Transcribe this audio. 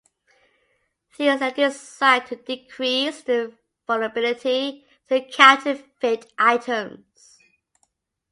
These are designed to decrease the vulnerability to counterfeit items.